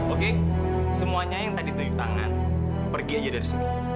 oke semuanya yang tadi tepuk tangan pergi aja dari sini